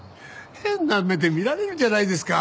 変な目で見られるじゃないですか。